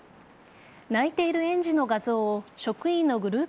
泣いている園児の画像を職員のグループ